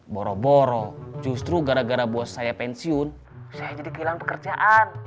boro boro justru gara gara bos saya pensiun saya jadi kehilangan pekerjaan